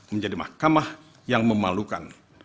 menjadi mahkamah yang memalukan